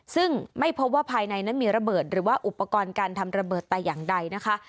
ซึ่งไม่พบว่าภายในนั้นมีระเบิดหรือว่าอุปกรณ์การทำระเบิดแต่อย่างใดนะคะ